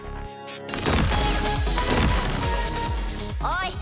おい！